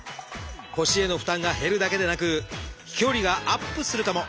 腰への負担が減るだけでなく飛距離がアップするかも！